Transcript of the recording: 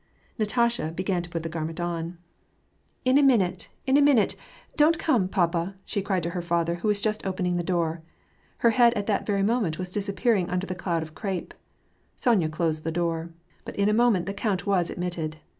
Natasha began to put the garment on. • Golubushka. u 200 WAR AND PEACE. '* In a minate, in a minute ; don't come, papa," she cried to her father, who was just opening the door. Her head at that ▼ery moment was disappearing under the cloud of cr^pe. Sonya closed the door. But in a moment the count was ad mitted.